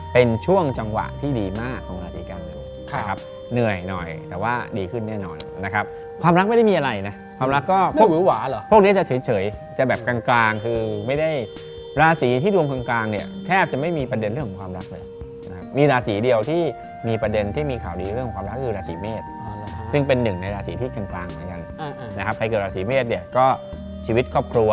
เป็นช่วงจังหวะที่ดีมากของราศีกันนะครับเหนื่อยหน่อยแต่ว่าดีขึ้นแน่นอนนะครับความรักไม่ได้มีอะไรนะความรักก็พวกนี้จะเฉยจะแบบกลางคือไม่ได้ราศีที่ดวงกลางเนี่ยแคบจะไม่มีประเด็นเรื่องความรักเลยนะครับมีราศีเดียวที่มีประเด็นที่มีข่าวดีเรื่องความรักคือราศีเมศซึ่งเป็นหนึ่งในราศีท